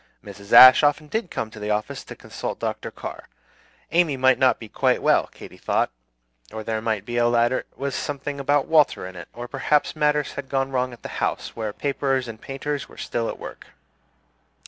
Mrs. Ashe often did come to the office to consult Dr. Carr. Amy might not be quite well, Katy thought, or there might be a letter with something about Walter in it, or perhaps matters had gone wrong at the house, where paperers and painters were still at work.